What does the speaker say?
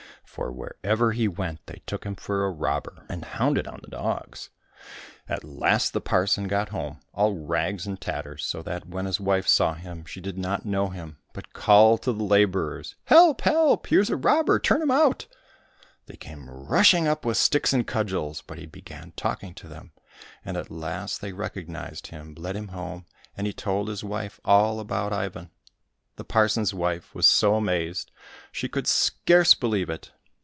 For wherever he went they took him for a robber, and 233 COSSACK FAIRY TALES hounded on the dogs. At last the parson got home, all rags and tatters, so that when his wife saw him she did not know him, but called to the labourers, " Help, help ! here's a robber, turn him out !" They came rushing up with sticks and cudgels, but he began talking to them, and at last they recognized him, led him home, and he told his wife all about Ivan. The parson's wife was so amazed she could scarce believe it.